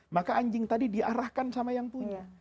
maka anjing tadi diarahkan sama yang punya